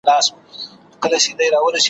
سوال یې وکړ له یو چا چي څه کیسه ده .